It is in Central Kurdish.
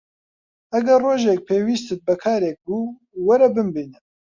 ئەگەر ڕۆژێک پێویستت بە کارێک بوو، وەرە بمبینە.